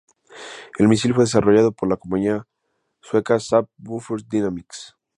El misil fue desarrollado por la compañía sueca Saab Bofors Dynamics.